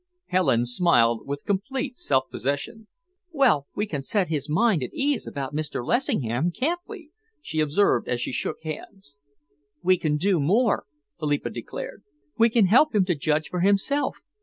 Helen smiled with complete self possession. "Well, we can set his mind at rest about Mr. Lessingham, can't we?" she observed, as she shook hands. "We can do more," Philippa declared. "We can help him to judge for himself.